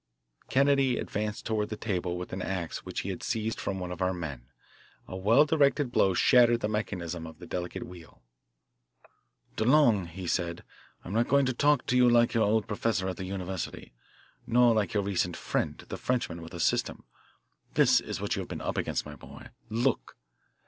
Kennedy advanced toward the table with an ax which he had seized from one of our men. A well directed blow shattered the mechanism of the delicate wheel. "DeLong," he said, "I'm not going to talk to you like your old professor at the university, nor like your recent friend, the Frenchman with a system. This is what you have been up against, my boy. Look."